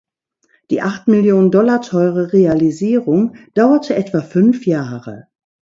Die acht Millionen Dollar teure Realisierung dauerte etwa fünf Jahre.